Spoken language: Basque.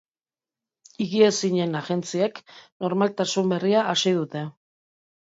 Higiezinen agentziek normaltasun berria hasi dute.